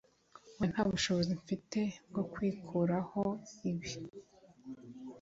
Hoya nta bushobozi mfite bwo kwikuraho ibi